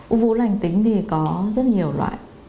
u vú lành tính thì có rất nhiều loại